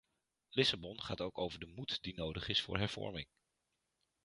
Lissabon gaat ook over de moed die nodig is voor hervorming.